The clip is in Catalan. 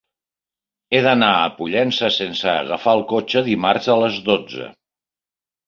He d'anar a Pollença sense agafar el cotxe dimarts a les dotze.